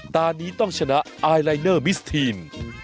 ตอนนี้ต้องชนะไอลายเนอร์มิสทีน